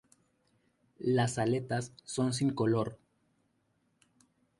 Las aletas son sin color.